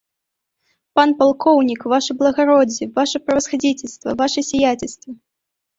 Пан палкоўнік, ваша благароддзе, ваша правасхадзіцельства, ваша сіяцельства!